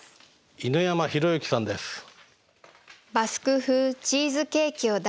犬山裕之さんです。